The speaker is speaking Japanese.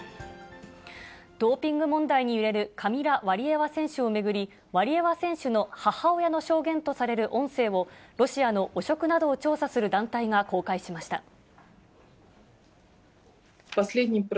ドーピング問題に揺れるカミラ・ワリエワ選手を巡り、ワリエワ選手の母親の証言とされる音声を、ロシアの汚職などを調査する団体が公開しました。